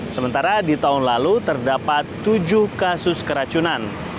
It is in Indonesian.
sementara di tahun lalu terdapat tujuh kasus keracunan